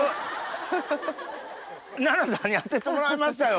奈々さんに当ててもらいましたよ